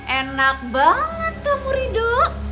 enak banget kamu ridho